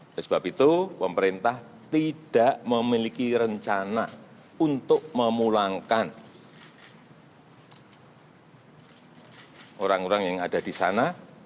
oleh sebab itu pemerintah tidak memiliki rencana untuk memulangkan orang orang yang ada di sana